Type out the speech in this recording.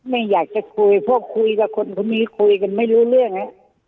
ไม่อยากจะคุยเพราะคุยกับคนคนนี้คุยกันไม่รู้เรื่อง